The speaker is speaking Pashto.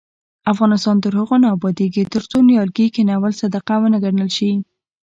افغانستان تر هغو نه ابادیږي، ترڅو نیالګي کښینول صدقه ونه ګڼل شي.